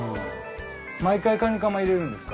毎回カニカマ入れるんですか？